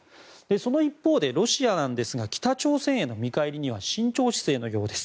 その一方で、ロシアなんですが北朝鮮への見返りには慎重姿勢のようです。